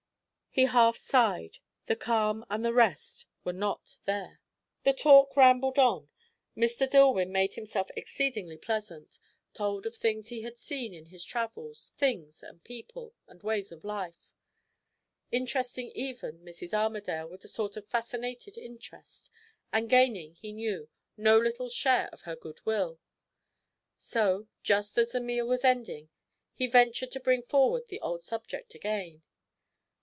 He half sighed. The calm and the rest were not there. The talk rambled on. Mr. Dillwyn made him self exceedingly pleasant; told of things he had seen in his travels, things and people, and ways of life; interesting even Mrs. Armadale with a sort of fascinated interest, and gaining, he knew, no little share of her good will. So, just as the meal was ending, he ventured to bring forward the old subject again.